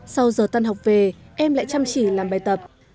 sau giờ tăn học về em lại chăm chỉ làm bài tập